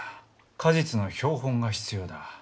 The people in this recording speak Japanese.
果実の標本が必要だ。